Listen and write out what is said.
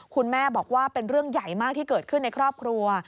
คุณแม่บอกว่าเป็นเรื่องใหญ่มากที่เกิดขึ้นในครอบครัว